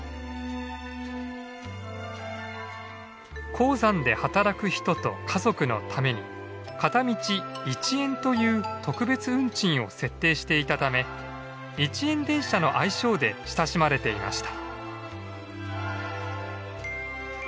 鉱山で働く人と家族のために片道１円という特別運賃を設定していたため「一円電車」の愛称で親しまれていました。